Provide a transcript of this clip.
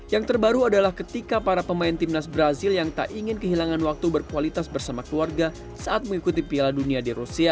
yang terbaru adalah ketika para pemain timnas brazil yang tak ingin kehilangan waktu berkualitas bersama keluarga saat mengikuti piala dunia di rusia